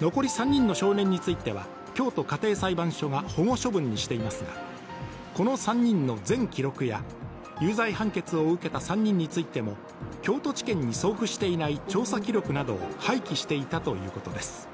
残り３人の少年については、京都家庭裁判所が保護処分にしていますが、この３人の全記録や有罪判決を受けた３人についても京都地検に送付していない調査記録などを廃棄していたということです。